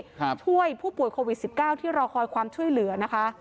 ช่วยผู้ป่วยโควิดสิบเก้าที่รอคอยความช่วยเหลือนะคะ